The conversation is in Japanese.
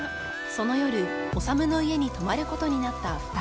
［その夜修の家に泊まることになった２人］